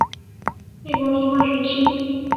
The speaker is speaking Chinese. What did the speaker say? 帝国议会时期。